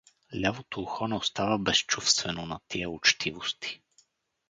Лявото ухо не остава безчувствено на тия учтивости.